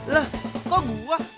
lah kok gue